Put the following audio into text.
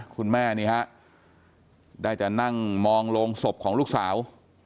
คุณแม่ได้จะนั่งมองลงศพของลูกสาว